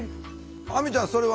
亜美ちゃんそれは？